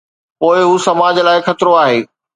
پوءِ هو سماج لاءِ خطرو آهي.